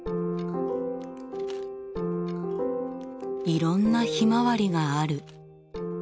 いろんなひまわりがある。